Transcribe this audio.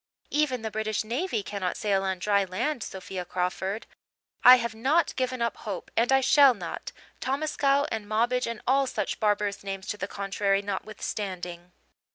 "Even the British navy cannot sail on dry land, Sophia Crawford. I have not given up hope, and I shall not, Tomascow and Mobbage and all such barbarous names to the contrary notwithstanding.